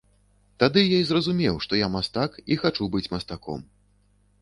Тады я і зразумеў, што я мастак і хачу быць мастаком.